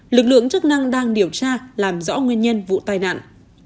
lực lượng chức năng đang điều tra làm rõ nguyên nhân vụ tai nạn